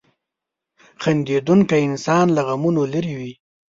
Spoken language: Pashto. • خندېدونکی انسان له غمونو لرې وي.